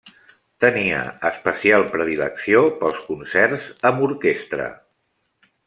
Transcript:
Tenia especial predilecció pels concerts amb orquestra.